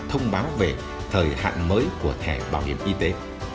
thông báo về thời hạn mới của thẻ bảo hiểm y tế